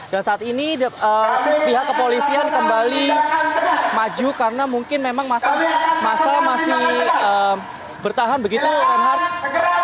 dan saat ini pihak kepolisian kembali maju karena mungkin memang masa masih bertahan begitu renhardt